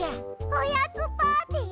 おやつパーティー！？